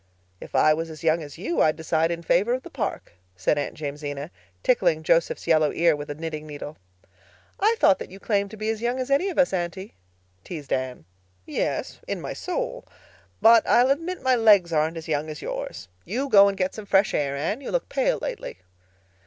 "If I was as young as you, I'd decide in favor of the park," said Aunt Jamesina, tickling Joseph's yellow ear with a knitting needle. "I thought that you claimed to be as young as any of us, Aunty," teased Anne. "Yes, in my soul. But I'll admit my legs aren't as young as yours. You go and get some fresh air, Anne. You look pale lately."